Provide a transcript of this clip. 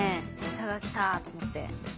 餌が来たと思って。